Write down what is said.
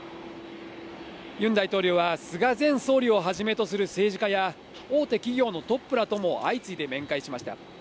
ユン大統領は菅前総理をはじめとする政治家や、大手企業のトップらとも相次いで面会しました。